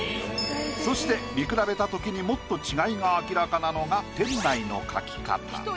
そして見比べたときにもっと違いが明らかなのが店内の描き方。